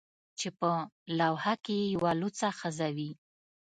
چې په لوحه کې یې یوه لوڅه ښځه وي